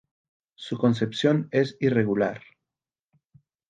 Su concepción es irregular.